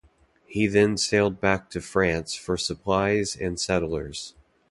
He then sailed back to France for supplies and settlers.